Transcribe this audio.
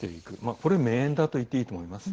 これ名演だといっていいと思います。